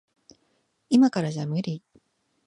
いまからじゃ無理。